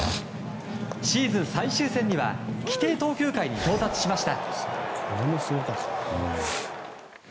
シーズン最終戦には規定投球回に到達しました。